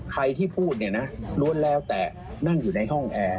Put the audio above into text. ใครที่พูดเนี่ยนะล้วนแล้วแต่นั่งอยู่ในห้องแอร์